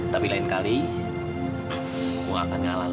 tapi lain kali aku gak akan ngalah loh